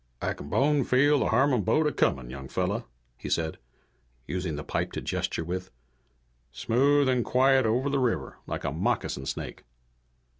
"I can bone feel the Harmon boat a comin', young fella," he said, using the pipe to gesture with. "Smooth and quiet over the river like a moccasin snake."